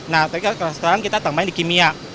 nah tapi sekarang kita tambahin di kimia